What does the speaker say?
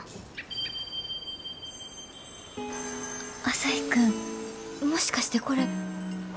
朝陽君もしかしてこれ星？